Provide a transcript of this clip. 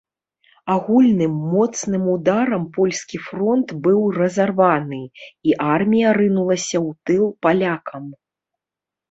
Агульным моцным ударам польскі фронт быў разарваны, і армія рынулася ў тыл палякам.